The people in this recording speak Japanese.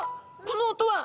この音は！